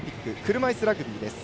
車いすラグビーです。